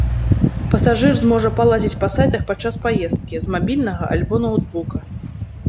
Пасажыр зможа палазіць па сайтах падчас паездкі, з мабільнага альбо ноўтбука.